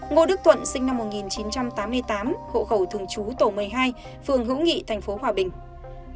ngô đức thuận sinh năm một nghìn chín trăm tám mươi tám hộ khẩu thường trú tổ một mươi hai phường hữu nghị tp hòa bình